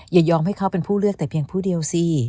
อย่ายอมให้เขาเป็นผู้เลือกแต่เพียงผู้เดียวสิ